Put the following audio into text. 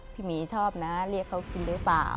หมีชอบนะเรียกเขากินหรือเปล่า